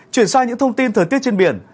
chuyển sang những thông tin thời tiết trên biển